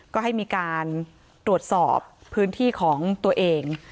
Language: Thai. ก็ให้มีการตรวจสอบพื้นที่ของตัวเอง